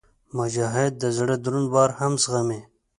مجاهد د زړه دروند بار هم زغمي.